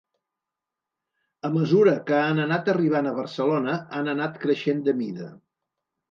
A mesura que han anat arribant a Barcelona han anat creixent de mida.